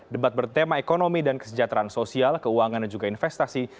debat bertema ekonomi dan kesejahteraan sosial keuangan dan juga investasi